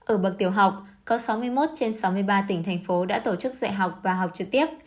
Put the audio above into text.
ở bậc tiểu học có sáu mươi một trên sáu mươi ba tỉnh thành phố đã tổ chức dạy học và học trực tiếp